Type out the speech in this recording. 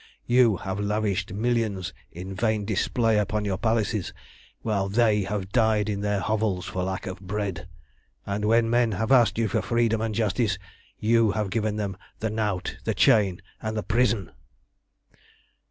You have lavished millions in vain display upon your palaces, while they have died in their hovels for lack of bread; and when men have asked you for freedom and justice, you have given them the knout, the chain, and the prison.